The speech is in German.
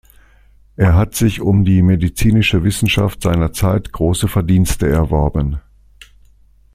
Er hat sich um die medizinische Wissenschaft seiner Zeit große Verdienste erworben.